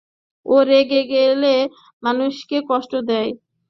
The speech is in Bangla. ও রেগে গেলে মানুষকে কষ্ট দেয়।